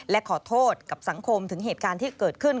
และขอโทษกับสังคมถึงเหตุการณ์ที่เกิดขึ้น